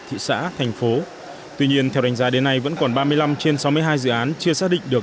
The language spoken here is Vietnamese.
thị xã thành phố tuy nhiên theo đánh giá đến nay vẫn còn ba mươi năm trên sáu mươi hai dự án chưa xác định được